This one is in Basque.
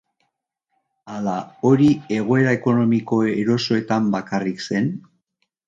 Ala hori egoera ekonomiko erosoetan bakarrik zen?